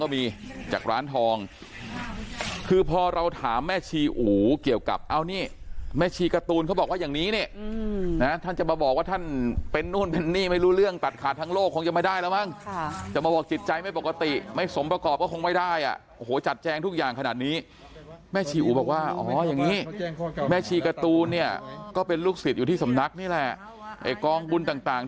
มีจากร้านทองคือพอเราถามแม่ชีอู๋เกี่ยวกับเอานี่แม่ชีการ์ตูนเขาบอกว่าอย่างนี้นี่นะท่านจะมาบอกว่าท่านเป็นนู่นเป็นนี่ไม่รู้เรื่องตัดขาดทั้งโลกคงจะไม่ได้แล้วมั้งจะมาบอกจิตใจไม่ปกติไม่สมประกอบก็คงไม่ได้อ่ะโอ้โหจัดแจงทุกอย่างขนาดนี้แม่ชีอู๋บอกว่าอ๋ออย่างนี้แม่ชีการ์ตูนเนี่ยก็เป็นลูกศิษย์อยู่ที่สำนักนี่แหละไอ้กองบุญต่าง